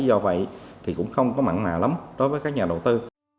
do vậy thì cũng không có mặn nào lắm đối với các nhà đầu tư